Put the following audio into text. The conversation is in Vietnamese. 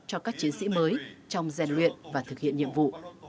cho các chiến sĩ mới trong rèn luyện và thực hiện nhiệm vụ